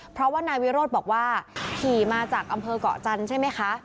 เพราะว่านายวิโรธบอกว่าขี่มาจากอำเภอกเกาะจันทร์ใช่ไหมคะ